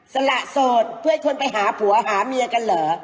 สละโสดเพื่อให้คนไปหาผัวหาเมียกันเหรอ